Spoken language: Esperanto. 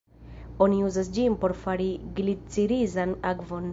Oni uzas ĝin por fari glicirizan akvon.